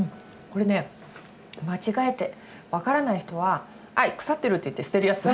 これね間違えて分からない人ははい腐ってるって言って捨てるやつ。